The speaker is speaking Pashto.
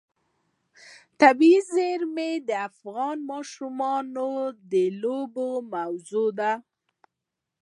طبیعي زیرمې د افغان ماشومانو د لوبو موضوع ده.